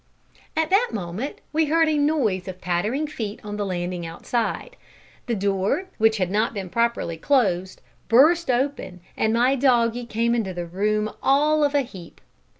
At that moment we heard a noise of pattering feet on the landing outside. The door, which had not been properly closed, burst open, and my doggie came into the room all of a heap.